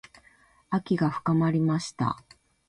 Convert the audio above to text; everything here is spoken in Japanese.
秋が深まりました。